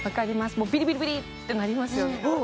もうビリビリビリってなりますよね